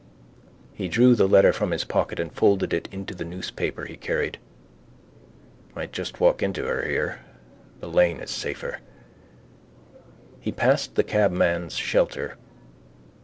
He drew the letter from his pocket and folded it into the newspaper he carried. Might just walk into her here. The lane is safer. He passed the cabman's shelter.